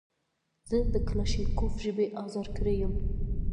زه د کلاشینکوف ژبې ازار کړی یم.